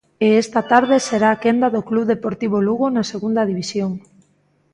E esta tarde será a quenda do Club Deportivo Lugo na Segunda División.